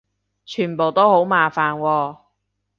全部都好麻煩喎